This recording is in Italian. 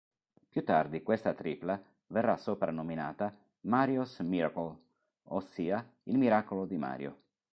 Più tardi questa tripla verrà soprannominata "Mario's miracle", ossia "Il miracolo di Mario".